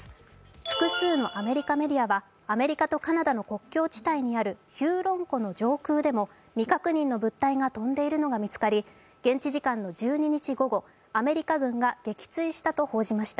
複数の米国メディアは米国とカナダの国境地帯にあるヒューロン湖の上空でも未確認の物体が飛んでいるのが見つかり、現地時間の１２日午後アメリカ軍が撃墜したと報じました。